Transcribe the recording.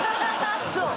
そう